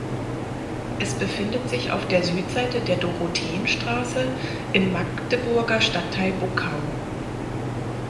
Es befindet sich auf der Südseite der Dorotheenstraße im Magdeburger Stadtteil Buckau.